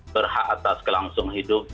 berhak atas kelangsung hidup